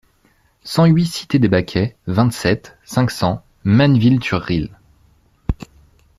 cent huit cité des Baquets, vingt-sept, cinq cents, Manneville-sur-Risle